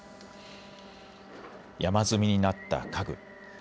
山積みになった家具。